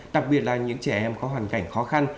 đặc biệt là những trẻ em có hoàn cảnh khó khăn